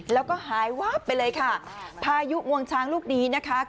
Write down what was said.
แล้วก็หายวาบไปเลยค่ะพายุงวงช้างลูกนี้นะคะ